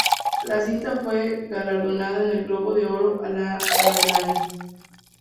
La cinta fue galardonada con el Globo de Oro a la del año.